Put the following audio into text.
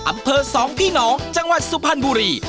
อำเภอสองพี่น้องจังหวัดสุพรรณบุรี